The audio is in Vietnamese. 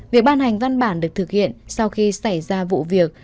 việc ban hành văn bản được thực hiện sau khi xảy ra vụ việc